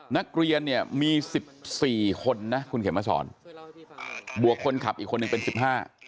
นักเรียนเนี่ยมีสิบสี่คนนะคุณเข็มมาสอนบวกคนขับอีกคนหนึ่งเป็นสิบห้า